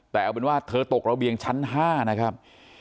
แต่เอาเป็นว่าเธอตกระเบียงชั้น๕นะครับ